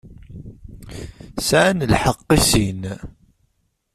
Sεan lḥeqq i sin.